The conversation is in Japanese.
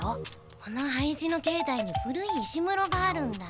この廃寺の境内に古い石室があるんだ。